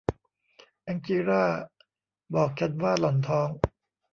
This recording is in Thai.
แองจีลาบอกฉันว่าหล่อนท้อง